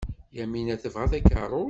Yamina tebɣa takeṛṛust?